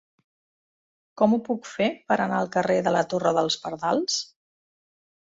Com ho puc fer per anar al carrer de la Torre dels Pardals?